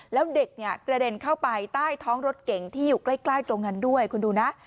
แล้วเด็กเนี่ยกระเด็นเข้าไปใต้ท้องรถเก๋งที่อยู่ใกล้ตรงนั้นด้วยคุณดูนะ